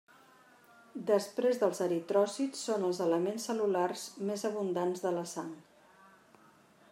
Després dels eritròcits són els elements cel·lulars més abundants de la sang.